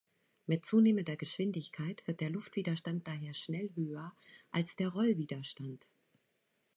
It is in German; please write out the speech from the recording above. Mit zunehmender Geschwindigkeit wird der Luftwiderstand daher schnell höher als der Rollwiderstand.